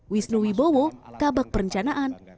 wisnu wibowo kabak perencanaan